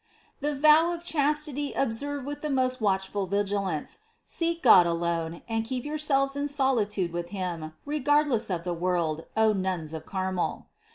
The vow of chastity Observe with the most watchful vigilance : Seek God alone, And keep yourselves in solitude with Him, Regardless of the world O Nuns of Carmel